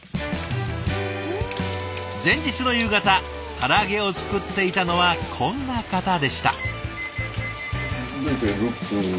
前日の夕方から揚げを作っていたのはこんな方でした。